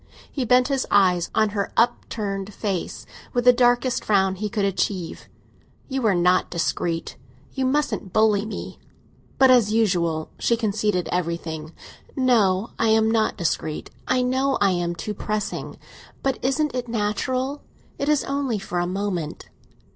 He bent his eyes on her upturned face, with the darkest frown he could achieve. "You are not discreet. You mustn't bully me!" But, as usual, she conceded everything. "No, I am not discreet; I know I am too pressing. But isn't it natural? It is only for a moment."